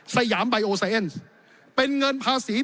สยามไบโอเซียน